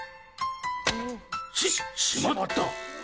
し閉まった。